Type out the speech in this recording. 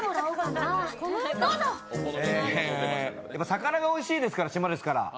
魚がおいしいですから島ですから。